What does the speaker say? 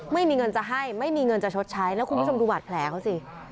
ไม่มีเงินจะให้ไม่มีเงินจะชดใช้แล้วคุณผู้ชมดูบาดแผลเขาสิ